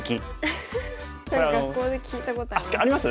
それ学校で聞いたことあります。